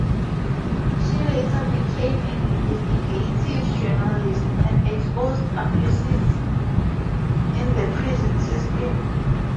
She later became an investigative journalist, and exposed abuses in the prison system.